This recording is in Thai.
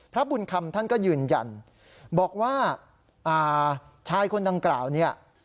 พระบุญคำท่านก็ยืนยันบอกว่าชายคนดังกล่าวเนี่ย